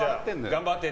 頑張って。